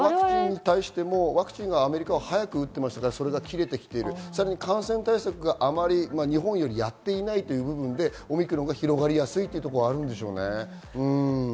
ワクチンに対してもアメリカは早く打っていますから、それが切れてきている、感染対策があまり日本よりやっていないという部分でオミクロンが広がりやすいということはあるんでしょうね。